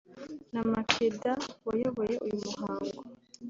na Makeda wayoboye uyu muhango